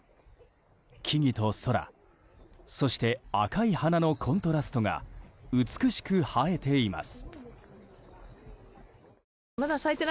木々と空そして、赤い花のコントラストが美しく映えています。